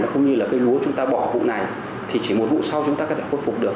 không như là cây lúa chúng ta bỏ vụ này thì chỉ một vụ sau chúng ta có thể khuất phục được